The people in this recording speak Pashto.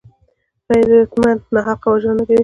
غیرتمند ناحقه وژنه نه کوي